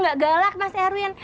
gak galak mas erwin